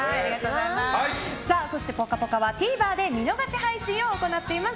そして「ぽかぽか」はＴＶｅｒで見逃し配信を行っております。